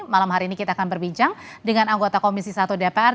malam hari ini kita akan berbincang dengan anggota komisi satu dpr